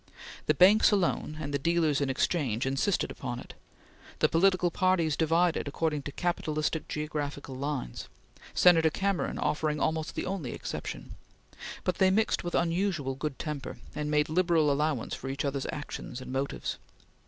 The banks alone, and the dealers in exchange, insisted upon it; the political parties divided according to capitalistic geographical lines, Senator Cameron offering almost the only exception; but they mixed with unusual good temper, and made liberal allowance for each others' actions and motives.